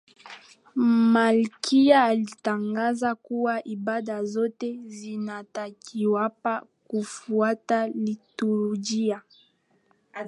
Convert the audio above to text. malkia alitangaza kuwa ibada zote zinatakiwapa kufuata liturujia